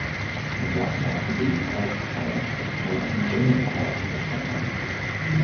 Seiler lebt als freier Schriftsteller in Wilhelmshorst und Stockholm.